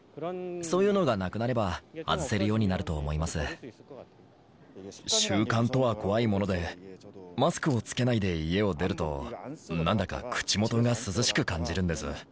そういうのがなくなれば、外せる習慣とは怖いもので、マスクを着けないで家を出ると、なんだか口元が涼しく感じるんです。